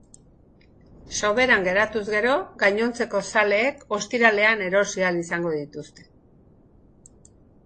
Soberan geratuz gero, gainontzeko zaleek ostiralean erosi ahal izango dituzte.